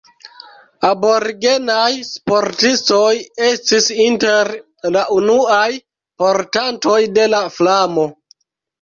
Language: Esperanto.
Aborigenaj sportistoj estis inter la unuaj portantoj de la flamo.